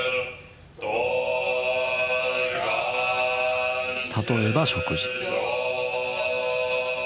例えば食事。